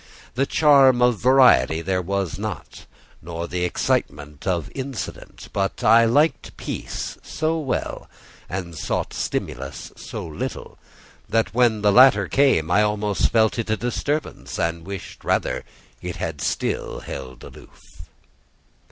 The charm of variety there was not, nor the excitement of incident; but I liked peace so well, and sought stimulus so little, that when the latter came I almost felt it a disturbance, and wished rather it had still held aloof.